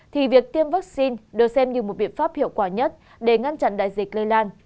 thì việc tiêm vaccine được xem như một biện pháp hiệu quả nhất để ngăn chặn đại dịch lây lan